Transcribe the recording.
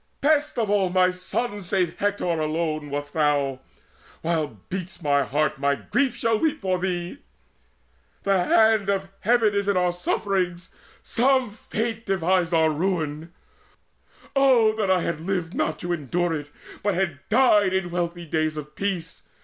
Best Of all my sons, save Hector alone, wast thou! While beats my heart, my grief shall weep for thee. The hand of Heaven is in our sufferings: Some Fate devised our ruin oh that I Had lived not to endure it, but had died In days of wealthy peace!